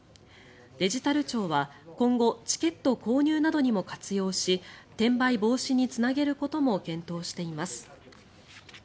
デジタル庁は、今後チケット購入などにも活用し転売防止につなげることも検討しています。